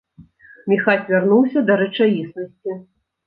Міхась вярнуўся да рэчаіснасці.